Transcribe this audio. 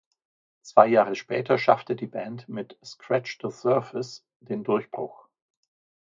Zwei Jahre später schaffte die Band mit "Scratch the Surface" den Durchbruch.